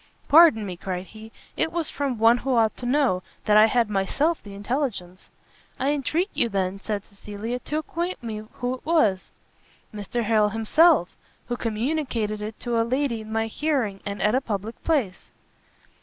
"Pardon me," cried he, "it was from one who ought to know, that I had myself the intelligence." "I entreat you, then," said Cecilia, "to acquaint me who it was?" "Mr Harrel himself; who communicated it to a lady in my hearing, and at a public place."